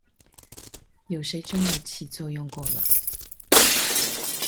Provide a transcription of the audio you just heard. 有誰真的起作用過了